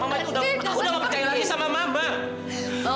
mama itu udah aku udah nggak percaya lagi sama mama